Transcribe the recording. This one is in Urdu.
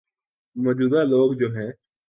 موجود ہ لوگ جو ہیں۔